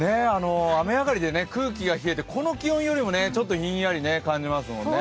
雨上がりで空気が冷えて、この気温よりもちょっとひんやり感じますもんね。